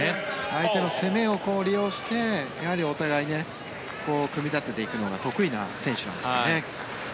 相手の攻めを利用してお互いに組み立てていくのが得意な選手なんですよね。